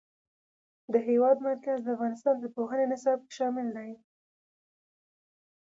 د هېواد مرکز د افغانستان د پوهنې نصاب کې شامل دي.